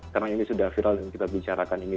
karena ini sudah viral dan kita bicarakan ini